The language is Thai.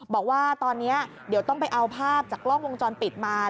บอกว่าตอนนี้เดี๋ยวต้องไปเอาภาพจากกล้องวงจรปิดมา